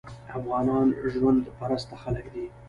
افغانان ژوند پرسته خلک دي.